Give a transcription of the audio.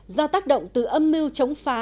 do tác động từ âm mưu chống phá